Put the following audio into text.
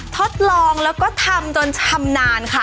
ทดลองแล้วก็ทำจนทำนาน